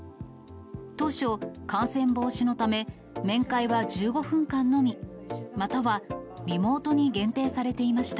当初、感染防止のため、面会は１５分間のみ、またはリモートに限定されていました。